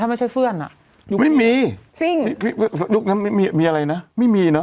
ถ้าไม่ใช่เฟื่อนอ่ะจริงโน้มยุคนั้นมีอะไรเนอะไม่มีเนอะ